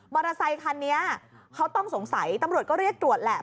อเตอร์ไซคันนี้เขาต้องสงสัยตำรวจก็เรียกตรวจแหละ